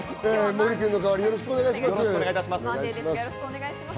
森君の代わり、よろしくお願いします。